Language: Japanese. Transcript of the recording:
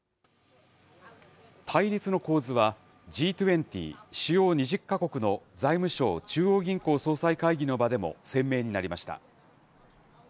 対立の構図は、Ｇ２０・主要２０か国の財務相・中央銀行総裁会議の場でも鮮明になりました。